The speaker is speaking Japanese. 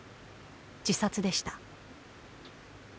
自殺でした。